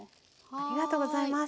ありがとうございます。